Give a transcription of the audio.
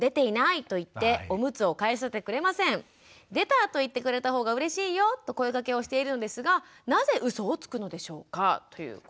「『出た』と言ってくれた方がうれしいよと声かけをしているのですがなぜうそをつくのでしょうか？」ということでございます。